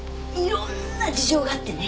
色んな事情があってね